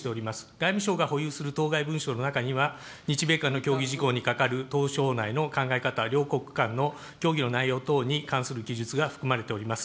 外務省が保有する当該文書の中には、日米間の協議事項にかかる同省内の考え方、両国間の協議の内容等に関する記述が含まれております。